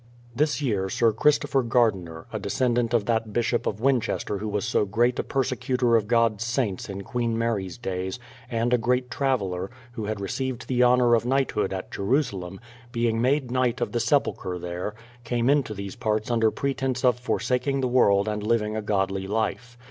This year Sir Christopher Gardiner, a descendent of that Bishop of Winchester who was so great a persecutor of God's saints in Queen Mary's days, and a great traveller, who had received the honour of knighthood at Jerusalem, THE PLYMOUTH SETTLEMENT ^37 being made knight of the Sepulchre there, came into these parts under pretence of forsaking the world and living a godly life.